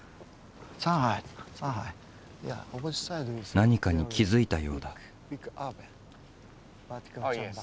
何かに気付いたようだ。